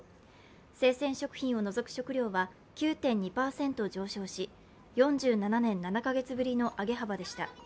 生鮮食品を除く食料は９．２％上昇し４７年７か月ぶりの上げ幅でした。